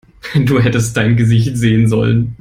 Du hättest dein Gesicht sehen sollen!